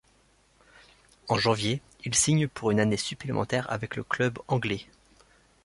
En janvier, il signe pour une année supplémentaire avec le club anglais.